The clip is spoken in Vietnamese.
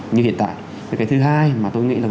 nhưng hiện tại cái thứ hai mà tôi nghĩ là